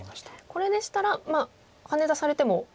これでしたらハネ出されても。